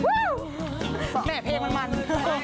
ว้าวแหม่เพลงมัน